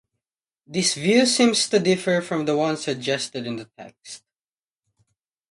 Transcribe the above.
This view seems to differ from the one suggested in the text.